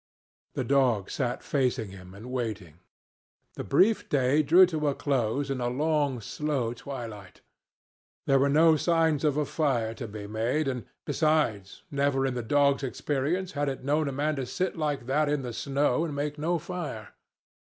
The dog sat facing him and waiting. The brief day drew to a close in a long, slow twilight. There were no signs of a fire to be made, and, besides, never in the dog's experience had it known a man to sit like that in the snow and make no fire.